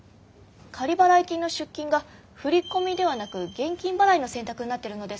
仮払い金の出金が振り込みではなく現金払いの選択になってるのですが。